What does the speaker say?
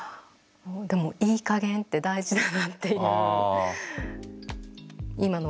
でもいいかげんって大事だなっていう。